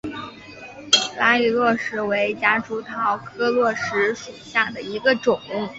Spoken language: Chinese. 兰屿络石为夹竹桃科络石属下的一个种。